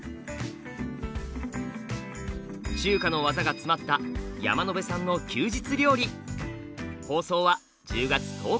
中華の技が詰まった山野辺さんの休日料理。